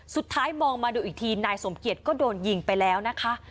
สุดท้ายมองมาดูอีกทีนายสมเกียจก็โดนยิงไปแล้วนะคะ